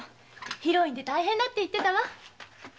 広いんで大変だって言ってたわ。